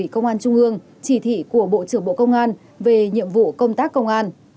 công an trung ương chỉ thị của bộ trưởng bộ công an về nhiệm vụ công tác công an